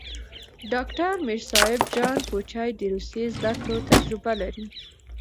ډاکټر میر صاب جان کوچي د روسي زدکړو تجربه لري.